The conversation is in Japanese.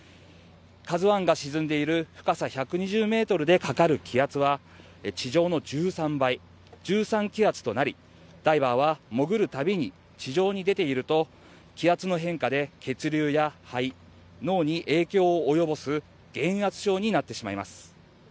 「ＫＡＺＵⅠ」が沈んでいる深さ１２０ｍでかかる気圧は地上の１３倍、１３気圧となり、ダイバーは潜るたびに地上に出ていると気圧の変化で血流や肺脳に影響を及ぼす減圧症になってしまいます。